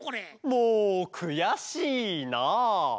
もうくやしいな！